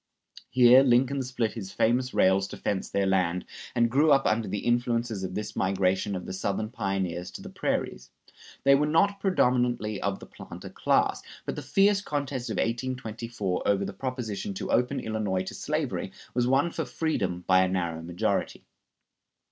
Here Lincoln split his famous rails to fence their land, and grew up under the influences of this migration of the Southern pioneers to the prairies. They were not predominantly of the planter class; but the fierce contest in 1824 over the proposition to open Illinois to slavery was won for freedom by a narrow majority.